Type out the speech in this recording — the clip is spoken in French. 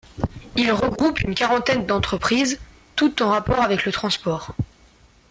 Il regroupe une quarantaine d’entreprises, toutes en rapport avec le transport.